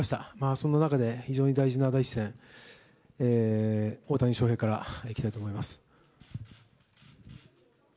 そんな中で非常に大事な第１戦、大谷翔平からいきたいと思います。